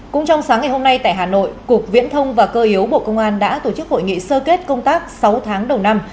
cũng trong sáng ngày hôm nay tại hà nội cục viễn thông và cơ yếu bộ công an đã tổ chức hội nghị sơ kết công tác sáu tháng đầu năm